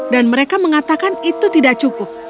dan mereka mengatakan itu tidak cukup